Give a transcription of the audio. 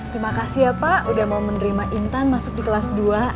terima kasih ya pak udah mau menerima intan masuk di kelas dua